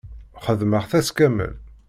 Xedmeɣ-t ass kamel.